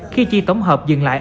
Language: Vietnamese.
khi chi tổng hợp dừng lại